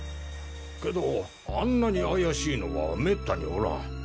けどあんなに怪しいのはめったにおらん。